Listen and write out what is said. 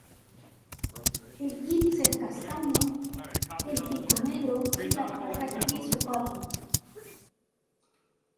El iris es castaño, el pico negro y las patas gris opaco.